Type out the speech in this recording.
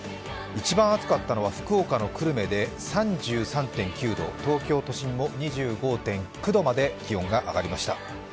１番暑かったのは福岡の久留米で３３．９度、東京都心も２５．９度まで気温が上がりました。